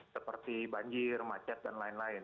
seperti banjir macet dan lain lain